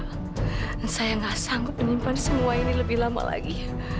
dan saya gak sanggup menyimpan semua ini lebih lama lagi